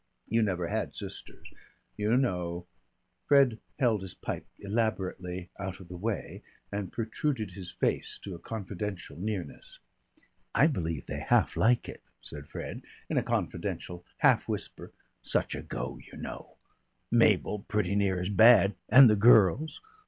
You never had sisters. You know " Fred held his pipe elaborately out of the way and protruded his face to a confidential nearness. "I believe they half like it," said Fred, in a confidential half whisper. "Such a go, you know. Mabel pretty near as bad. And the girls.